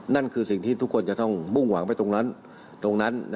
นั่นคือสิ่งที่ทุกคนจะต้องมุ่งหวังไปตรงนั้นตรงนั้น